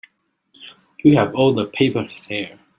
You have all the papers there.